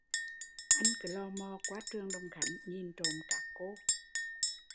Anh cứ lò mò qua trường Đồng Khánh nhìn trộm các cô